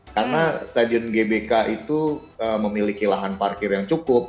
karena stadion gbk itu memiliki lahan parkir yang cukup